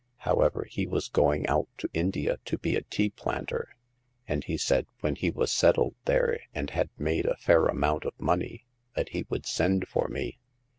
However, he was going out to India to be a tea planter ; and he said when he was settled there and had made a fair amount of money that he would send for me.